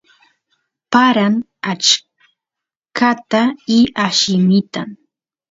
paran achkata y allimitan